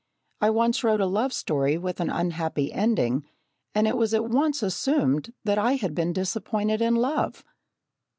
I once wrote a love story with an unhappy ending and it was at once assumed that I had been disappointed in love!